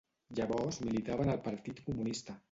Llavors militava en el partit comunista.